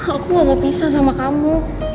aku gak mau pisah sama kamu